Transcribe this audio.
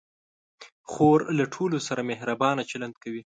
خور له ټولو سره مهربان چلند کوي.